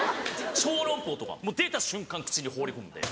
小籠包とかもう出た瞬間口に放り込んで。